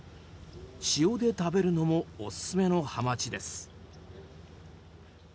塩で食べるのもおすすめのハマチです。